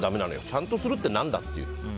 ちゃんとするって何だっていう。